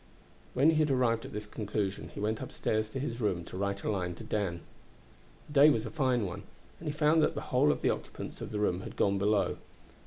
When he had arrived at this conclusion he went upstairs to his room to write a line to Dan. The day was a fine one, and he found that the whole of the occupants of the room had gone below.